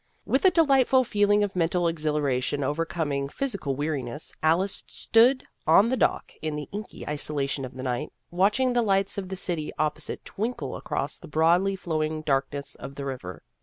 With a delightful feeling of mental exhilaration overcoming physical weariness, Alice stood on the dock in the inky isolation of the night, watching the lights of the city opposite twinkle across the broadly flowing darkness of the river.